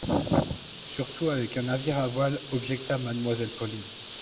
Surtout avec un navire à voiles, objecta Mademoiselle Pauline.